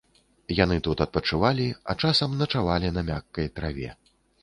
Яны тут адпачывалі, а часам начавалі на мяккай траве.